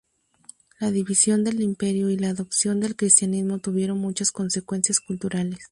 La división del Imperio y la adopción del cristianismo tuvieron muchas consecuencias culturales.